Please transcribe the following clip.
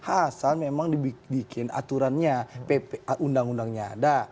asal memang dibikin aturannya undang undangnya ada